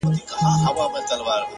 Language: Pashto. هوښیار فکر د راتلونکي لپاره چمتو وي